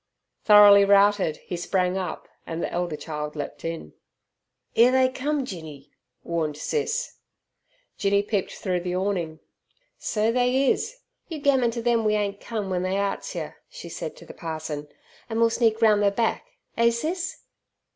Thoroughly routed, he sprang up, and the elder child leapt in. "'Ere they cum, Jinny," warned Sis. Jinny peeped through the awning. "So they is. You gammon ter them we ain't cum, w'en they arsts yer," she said to the parson, "an' we'll sneak roun' ther back. Eh, Sis?"